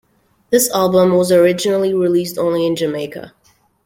This album was originally released only in Jamaica.